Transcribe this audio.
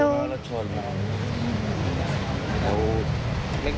กลัวไหมว่าจะเกิดผิดกระป๋อง